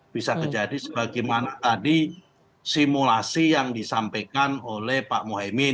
bisa jadi sebagaimana tadi simulasi yang disampaikan oleh pak mohaimin